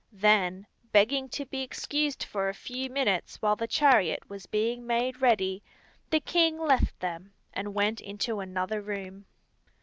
Then, begging to be excused for a few minutes while the chariot was being made ready, the king left them and went into another room.